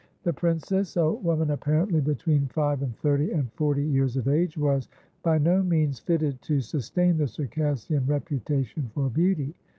The princess, a woman apparently between five and thirty and forty years of age, was by no means fitted to sustain the Circassian reputation for beauty.